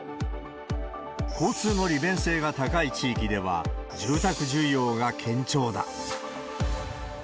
交通の利便性が高い地域では、住宅需要が堅調だ。